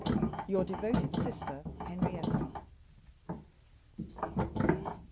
Your devoted sister, HENRIETTA."